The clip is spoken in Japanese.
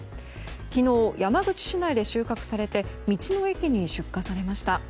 昨日、山口市内で収穫されて道の駅に出荷されました。